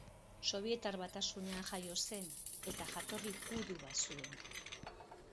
Sobietar Batasunean jaio zen eta jatorri judua zuen.